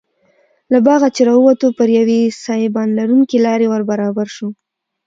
له باغه چې راووتو پر یوې سایبان لرونکې لارې وربرابر شوو.